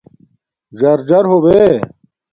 ژَرژر ہو بے